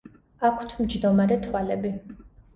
აქვთ მჯდომარე თვალები.